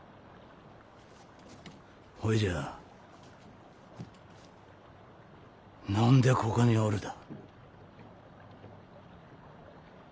ほいじゃあ何でここにおるだ？